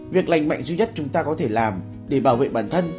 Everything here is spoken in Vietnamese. việc lành mạnh duy nhất chúng ta có thể làm để bảo vệ bản thân